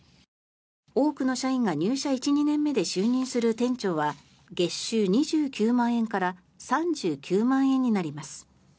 多くの社員が入社１２年目で就任する店長は月収２９万円から３９万円になります。